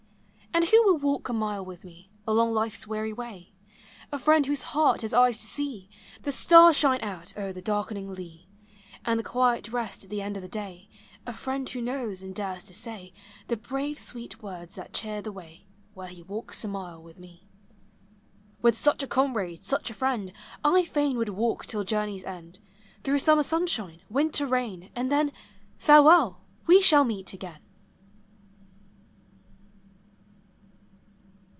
And who will walk a mile with me Along life's weary wav? A friend whose heart has eyes to see The stars shine out o'er the darkening lea, And the quiet rest at the end o' the day, — A friend who knows, and dares to say, The brave, sweet words that cheer the way Where he walks a mile with me. With such a comrade, such a friend, 1 fain would walk till journeys end, Through summer sunshine, winter rain, And then? — Farewell, we shall meet again!